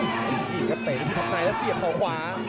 อันนี้ก็เตะที่ทางในแล้วเสียบข่าวขวา